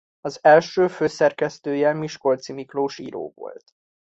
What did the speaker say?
Az első főszerkesztője Miskolczi Miklós író volt.